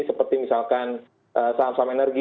seperti misalkan saham saham energi